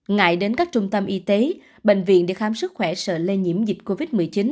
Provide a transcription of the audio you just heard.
ngại đến các trung tâm y tế bệnh viện để khám sức khỏe sợ lây nhiễm dịch covid một mươi chín